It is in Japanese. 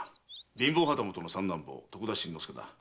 貧乏旗本の三男坊徳田新之助だ。